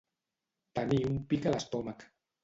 Tenir un pic a l'estómac.